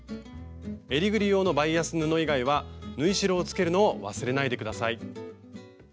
えりぐり用のバイアス布以外は縫い代をつけるのを忘れないで下さい。